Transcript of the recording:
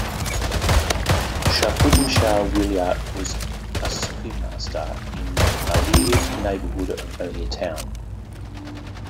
Sharfuddin Shah Wilayat was a Sufi master in Malir neighbourhood of Malir Town.